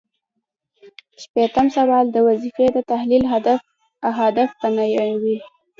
شپیتم سوال د وظیفې د تحلیل اهداف بیانوي.